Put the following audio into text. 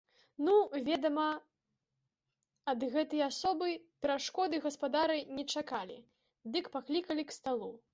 Ну, ведама, ад гэтай асобы перашкоды гаспадары не чакалі, дык паклікалі к сталу.